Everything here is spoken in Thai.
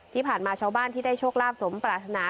ที่ผ่านมาชาวบ้านที่ได้โชคลาภสมปรารถนา